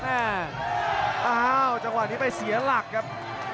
อ้าวจังหวะนี้ไปเสียหลักครับ